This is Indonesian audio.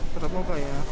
tetap muka ya